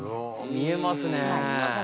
見えますね。